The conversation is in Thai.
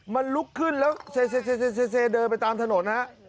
มันลุกขึ้นแล้วเซเดินไปตามถนนฮะ